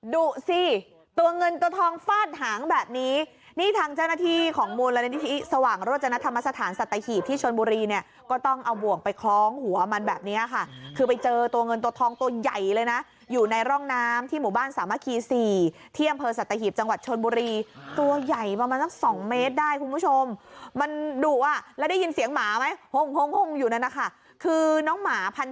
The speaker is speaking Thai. ดูสิตัวเงินตัวทองฟาดหางแบบนี้นี่ทางเจ้าหน้าที่ของมูลนิธิสว่างโรจนธรรมสถานสัตหีบที่ชนบุรีเนี่ยก็ต้องเอาบ่วงไปคล้องหัวมันแบบนี้ค่ะคือไปเจอตัวเงินตัวทองตัวใหญ่เลยนะอยู่ในร่องน้ำที่หมู่บ้านสามัคคี๔ที่อำเภอสัตหีบจังหวัดชนบุรีตัวใหญ่ประมาณสักสองเมตรได้คุณผู้ชมมันดุอ่ะแล้วได้ยินเสียงหมาไหม